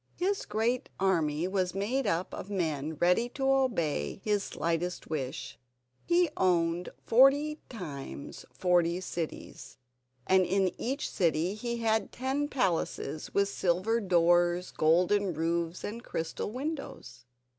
His great army was made up of men ready to obey his slightest wish; he owned forty times forty cities, and in each city he had ten palaces with silver doors, golden roofs, and crystal windows.